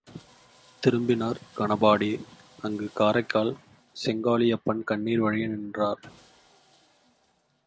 திரும்பினார் கனபாடி, அங்கு காரைக்கால் செங்காளியப்பன் கண்ணீர் வழிய நின்றார்!